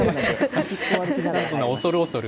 恐る恐る？